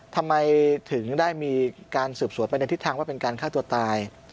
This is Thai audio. ทำไมถึงได้มีการสืบสวนไปในทิศทางว่าเป็นการฆ่าตัวตาย